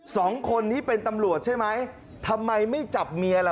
สองคนนี้เป็นตำรวจใช่ไหมทำไมไม่จับเมียล่ะ